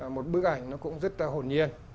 một bức ảnh nó cũng rất là hồn nhiên